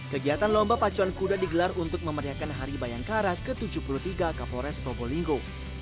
kegiatan lomba pacuan kuda digelar untuk memeriakan hari bayangkara ke tujuh puluh tiga kapolres probolinggo